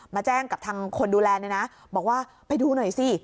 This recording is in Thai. แจ้งกับทางคนดูแลเนี่ยนะบอกว่าไปดูหน่อยสิ